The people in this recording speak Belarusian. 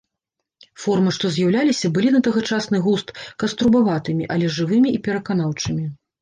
Формы, што з'яўляліся, былі, на тагачасны густ, каструбаватымі, але жывымі і пераканаўчымі.